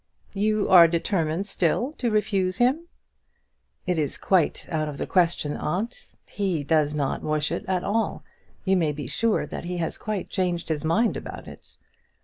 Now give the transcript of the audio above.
"You are determined still to refuse him?" "It is quite out of the question, aunt. He does not wish it at all. You may be sure that he has quite changed his mind about it."